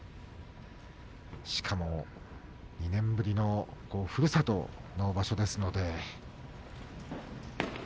しかも２年ぶりのふるさとの場所ですのでね。